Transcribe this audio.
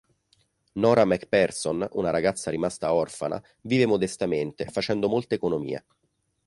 Norah MacPherson, una ragazza rimasta orfana, vive modestamente, facendo molte economie.